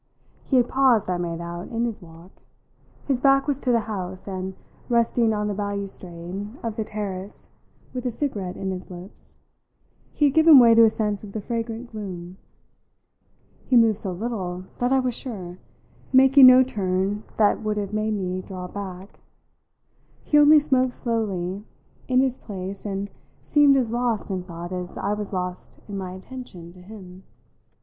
He had paused, I made out, in his walk; his back was to the house, and, resting on the balustrade of the terrace with a cigarette in his lips, he had given way to a sense of the fragrant gloom. He moved so little that I was sure making no turn that would have made me draw back; he only smoked slowly in his place and seemed as lost in thought as I was lost in my attention to him.